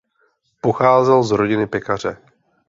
Pocházel z rodiny pekaře.